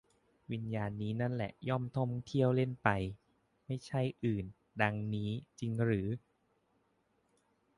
วิญญาณนี้นั่นแหละ ย่อมท่องเที่ยว เล่นไป ไม่ใช่อื่น ดังนี้ จริงหรือ